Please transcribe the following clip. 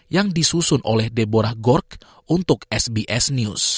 yang disusun oleh deborah gord untuk sbs news